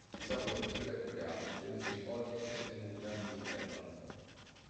Dieser politische Wettbewerb findet sich vornehmlich in den nördlichen Ländern.